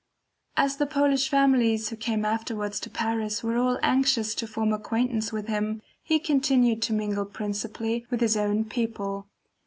As the Polish families who came afterwards to Paris were all anxious to form acquaintance with him, he continued to mingle principally with his own people.